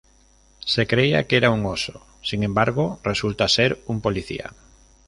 Se creía que era un oso, sin embargo, resulta ser un policía.